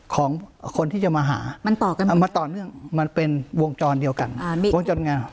ของคนที่จะมาหามันต่อกันมาต่อเนื่องมันเป็นวงจรเดียวกันวงจรไง